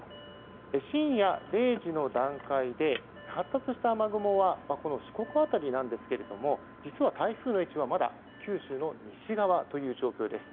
深夜０時の段階で発達した雨雲は四国辺りなんですけども実は、台風の位置はまだ九州の西側という状況です。